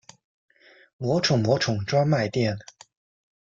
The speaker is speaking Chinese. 魔宠魔宠专卖店